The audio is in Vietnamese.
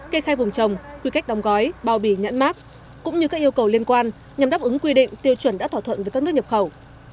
kê khai vùng trồng quy cách đóng gói bao bì nhãn mát cũng như các yêu cầu liên quan nhằm đáp ứng quy định tiêu chuẩn đã thỏa thuận với các nước nhập khẩu